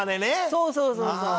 そうそうそうそう。